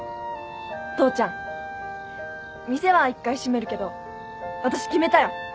父ちゃん店は一回閉めるけど私決めたよ。